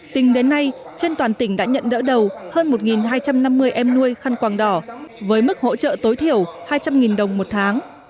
tính đến nay trên toàn tỉnh đã nhận đỡ đầu hơn một hai trăm năm mươi em nuôi khăn quàng đỏ với mức hỗ trợ tối thiểu hai trăm linh đồng một tháng